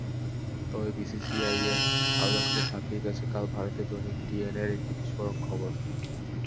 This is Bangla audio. তবে বিসিসিআইয়ের আবেদনকে ছাপিয়ে গেছে কাল ভারতীয় দৈনিক ডিএনএ-র একটি বিস্ফোরক খবর।